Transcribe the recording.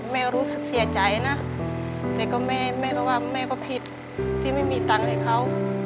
แม่รู้สึกเสียใจนะแต่ก็แม่ก็ว่าแม่ก็ผิดที่ไม่มีตังค์ให้เขา